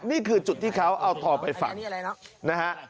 นี่คือจุดที่เขาเอาทองไปฝังนะฮะ